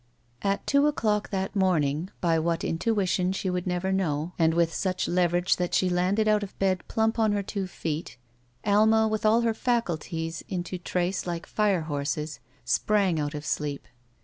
At two o'clock that morning, by what intuition she would never know, and with such leverage that she landed out of bed plump on her two feet. Alma, with all her faculties into trace like fire horses, sprang out of sleep.